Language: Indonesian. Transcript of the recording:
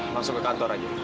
masuk ke kantor aja